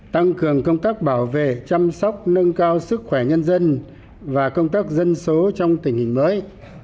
tăng cường công tác bảo vệ chăm sóc nâng cao sức khỏe nhân dân và công tác dân số trong tình hình mới